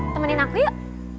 temenin aku yuk